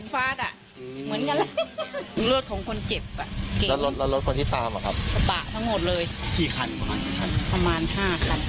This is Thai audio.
ประมาณ๕คันหรือ๖คันมันยิ่งกันเยอะ